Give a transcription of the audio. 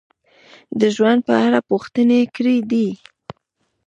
د ژوند په اړه پوښتنې کړې دي: